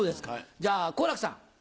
じゃ好楽さん。